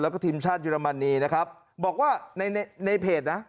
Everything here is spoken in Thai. แล้วก็ทีมชาติเยอรมนีนะครับบอกว่าในในเพจนะ